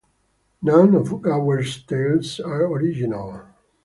None of Gower's tales are original.